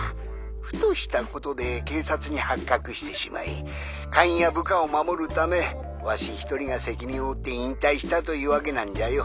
ふとしたことで警察に発覚してしまい会員や部下を守るためわし一人が責任を負って引退したというわけなんじゃよ。